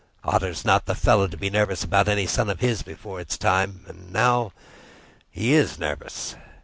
Otter's not the fellow to be nervous about any son of his before it's time. And now he is nervous.